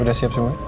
udah siap semua